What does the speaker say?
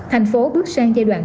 thành phố bước sang giai đoạn